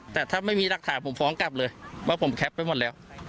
แต่ถ้าไม่มีหลักฐานผมฟ้องกลับเลยว่าผมแคปไปหมดแล้ว